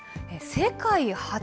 世界初！